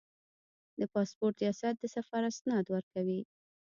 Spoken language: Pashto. د پاسپورت ریاست د سفر اسناد ورکوي